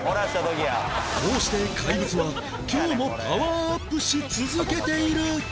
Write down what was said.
こうして怪物は今日もパワーアップし続けている